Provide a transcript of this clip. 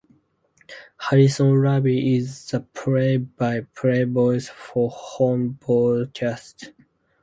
Harrison Raby is the play-by-play voice for home broadcasts.